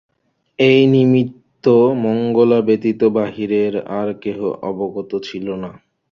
এই নিমিত্ত মঙ্গলা ব্যতীত বাহিরের আর কেহ অবগত ছিল না।